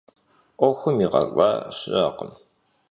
'Uexum yiğelh'a şı'ekhım.